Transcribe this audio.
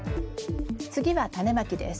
次はタネまきです。